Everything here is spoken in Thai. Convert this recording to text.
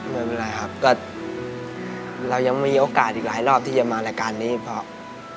ไม่เป็นไรครับก็เรายังมีโอกาสอีกหลายรอบที่จะมารายการนี้เพราะ